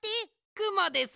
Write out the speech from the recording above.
くもです